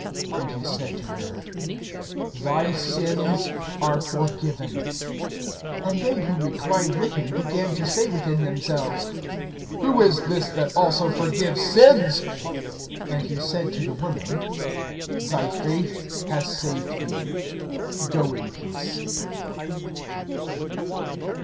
(48)And he said to her: Thy sins are forgiven. (49)And they who reclined with him began to say within themselves: Who is this that also forgives sins? (50)And he said to the woman: Thy faith has saved thee; go in peace.